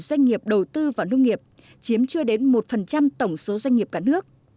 doanh nghiệp đầu tư vào nông nghiệp chiếm chưa đến một tổng số doanh nghiệp cả nước